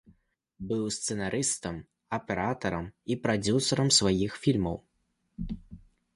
Быў сцэнарыстам, аператарам і прадзюсарам сваіх фільмаў.